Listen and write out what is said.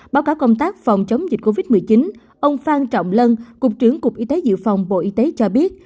báo cáo công tác phòng chống dịch covid một mươi chín ông phan trọng lân cục trưởng cục y tế dự phòng bộ y tế cho biết